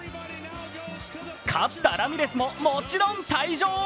勝ったラミレスももちろん退場。